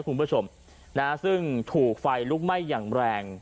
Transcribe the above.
คุณผู้ชมนะฮะซึ่งถูกไฟลุกไหม้อย่างแรง